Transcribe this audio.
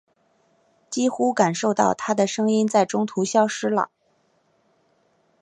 几乎感受到她的声音在中途消失了。